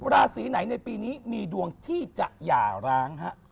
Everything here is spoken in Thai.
ราศีไหนในปีนี้มีดวงที่จะหย่าร้างฮะ